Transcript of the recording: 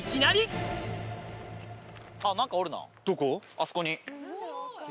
あそこに。